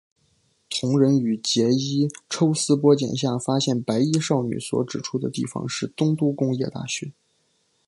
桐人与结依抽丝剥茧下发现白衣少女所指出的地方是东都工业大学。